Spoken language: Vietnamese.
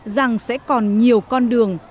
rằng sẽ còn nhiều con đường